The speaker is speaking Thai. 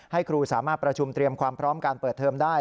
ให้ครูสามารถประชุมเตรียมความพร้อมการเปิดเทอมได้